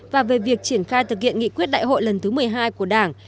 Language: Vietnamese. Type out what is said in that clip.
và về việc triển khai thực hiện nghị quyết đại hội lần thứ một mươi hai của đảng